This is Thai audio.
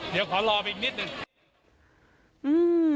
เดี๋ยวขอรอไปอีกนิดหนึ่ง